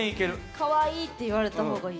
かわいいって言われた方がいい。